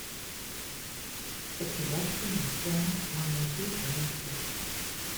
The production was filmed on location in Paris.